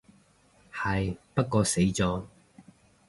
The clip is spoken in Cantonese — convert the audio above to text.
係，不過死咗